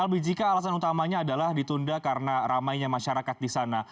albi jika alasan utamanya adalah ditunda karena ramainya masyarakat di sana